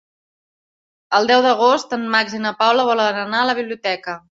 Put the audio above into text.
El deu d'agost en Max i na Paula volen anar a la biblioteca.